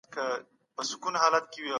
ټولنیز علوم په ښوونځیو کي تدریس سوي دي.